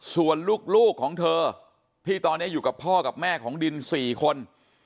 ส่วนลูกของเธอที่ตอนนี้อยู่กับพ่อกับแม่ของดิน๔คน